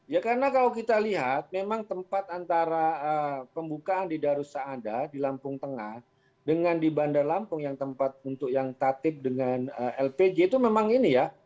ya karena kalau kita lihat memang tempat antara pembukaan di darussada di lampung tengah dengan di bandar lampung yang tempat untuk yang tatip dengan lpg itu memang ini ya